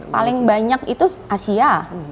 paling banyak itu asia